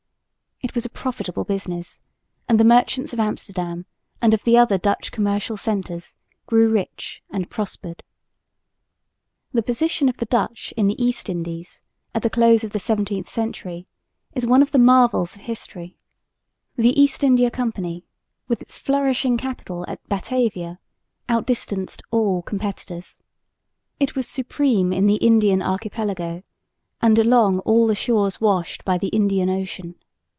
It was a profitable business, and the merchants of Amsterdam and of the other Dutch commercial centres grew rich and prospered. The position of the Dutch in the East Indies at the close of the 17th century is one of the marvels of history. The East India Company, with its flourishing capital at Batavia, outdistanced all competitors. It was supreme in the Indian archipelago and along all the shores washed by the Indian Ocean.